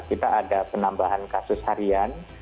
kita ada penambahan kasus harian